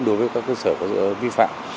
đối với các cơ sở có dấu hiệu vi phạm